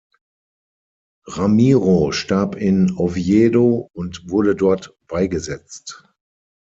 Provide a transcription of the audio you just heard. Ramiro starb in Oviedo und wurde dort beigesetzt.